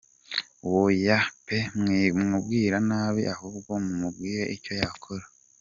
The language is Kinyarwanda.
Oya pe mwimubwira nabi ahubwo mumubwire icyo yakora.